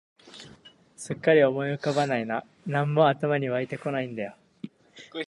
すっかり思い浮かばないな、何も頭に湧いてこないんだよ